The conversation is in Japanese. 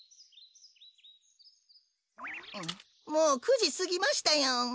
もう９じすぎましたよ。